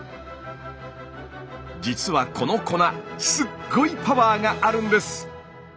じつはこの粉すっごいパワーがあるんです！